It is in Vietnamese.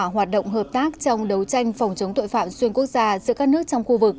hoạt động hợp tác trong đấu tranh phòng chống tội phạm xuyên quốc gia giữa các nước trong khu vực